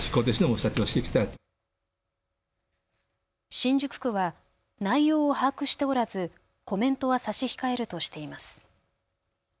新宿区は内容を把握しておらずコメントは差し控えるとしています。